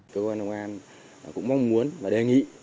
cơ quan cảnh sát điều tra cũng mong muốn và đề nghị